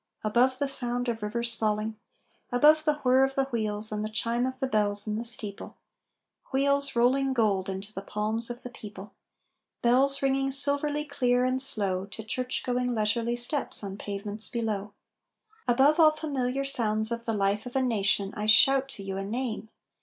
Above the sound of rivers falling, Above the whir of the wheels and the chime of bells in the steeple Wheels, rolling gold into the palms of the people Bells ringing silverly clear and slow To church going, leisurely steps on pavements below. Above all familiar sounds of the life of a nation I shout to you a name.